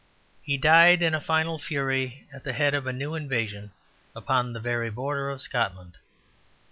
He died in a final fury at the head of a new invasion upon the very border of Scotland.